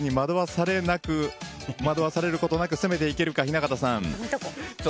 惑わされることなく攻めていけるか雛形さん。